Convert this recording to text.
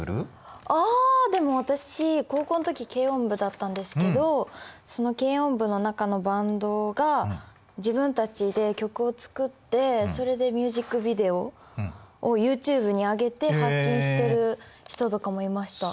あでも私高校の時軽音部だったんですけどその軽音部の中のバンドが自分たちで曲を作ってそれでミュージックビデオをユーチューブにあげて発信してる人とかもいました。